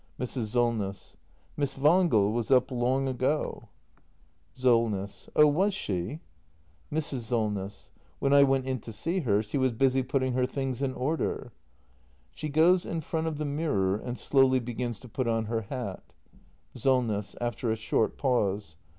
Mrs. Solness. Miss Wangel was up long ago. 322 THE MASTER BUILDER [act ii SOLNESS. Oh, was she ? Mrs. Solness. When I went in to see her, she was busy putting her things in order. [She goes in front of the mirror and slowly begins to put on her hat. Solness. [After a short pause.